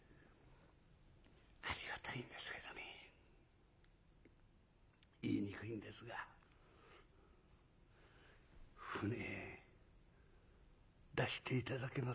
「ありがたいんですけどね言いにくいんですが舟出して頂けませんか」。